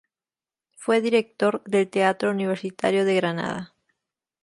Fue director del Teatro Universitario de Granada.